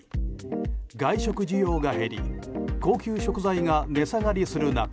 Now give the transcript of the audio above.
外食需要が減り高級食材が値下がりする中